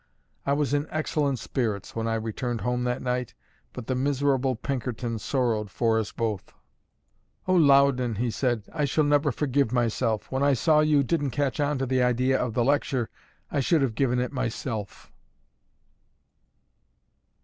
I was in excellent spirits when I returned home that night, but the miserable Pinkerton sorrowed for us both. "O, Loudon," he said, "I shall never forgive myself. When I saw you didn't catch on to the idea of the lecture, I should have given it myself!"